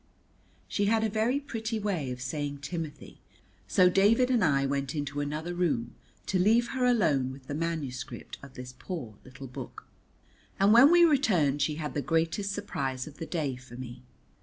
She had a very pretty way of saying Timothy, so David and I went into another room to leave her alone with the manuscript of this poor little book, and when we returned she had the greatest surprise of the day for me.